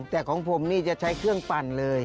แต่ของผมนี่จะใช้เครื่องปั่นเลย